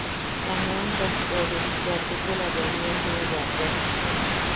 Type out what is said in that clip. Ta nuento... ori... bea chukula bea nian jiuwa tea.